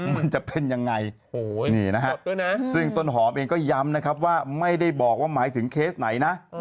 มันจะเป็นยังไงนี่นะฮะซึ่งต้นหอมเองก็ย้ำนะครับว่าไม่ได้บอกว่าหมายถึงเคสไหนนะ